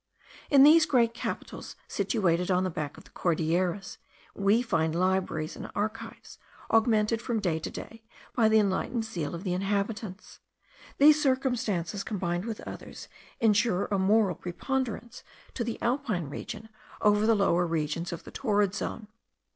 In these great capitals, situated on the back of the Cordilleras, we find libraries and archives, augmented from day to day by the enlightened zeal of the inhabitants. These circumstances, combined with others, insure a moral preponderance to the Alpine region over the lower regions of the torrid zone.